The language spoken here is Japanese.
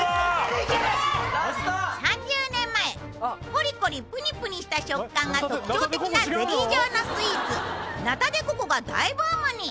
３０年前コリコリプニプニした食感が特徴的なゼリー状のスイーツナタデココが大ブームに。